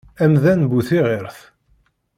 Amdan bu tiɣiṛt.